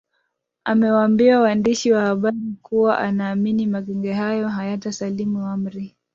amewambia waandishi wa habari kuwa anaamini magenge hayo hayata salimu amri